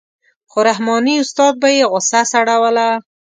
خو رحماني استاد به یې غوسه سړوله.